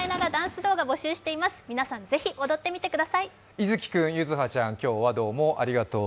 いずき君、ゆずはちゃん今日はどうもありがとう。